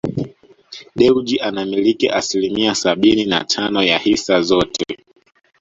Dewji anamiliki asilimia sabini na tano ya hisa zote